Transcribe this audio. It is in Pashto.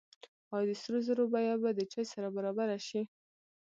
آیا د سرو زرو بیه به د چای سره برابره شي؟